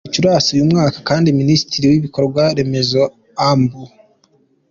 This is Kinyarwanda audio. Muri Gicurasi uyu mwaka kandi Minisitiri w’Ibikorwa remezo, Amb.